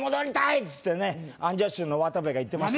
っつってねアンジャッシュの渡部が言ってました